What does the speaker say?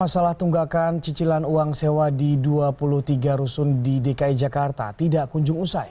masalah tunggakan cicilan uang sewa di dua puluh tiga rusun di dki jakarta tidak kunjung usai